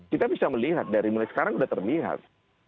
kita bisa melihat dari mulai sekarang sudah terlihat